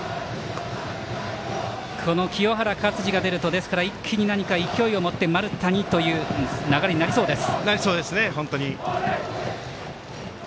清原勝児が出ると勢いを持って丸田にという流れになりそうです。